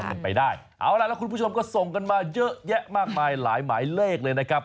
เป็นไปได้เอาล่ะแล้วคุณผู้ชมก็ส่งกันมาเยอะแยะมากมายหลายหมายเลขเลยนะครับ